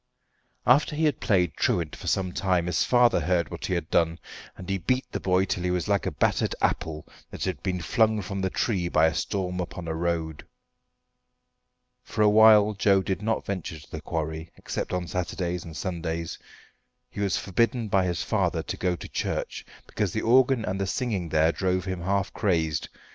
After he had played truant for some time his father heard what he had done, and he beat the boy till he was like a battered apple that had been flung from the tree by a storm upon a road. For a while Joe did not venture to the quarry except on Saturdays and Sundays. He was forbidden by his father to go to church, because the organ and the singing there drove him half crazed.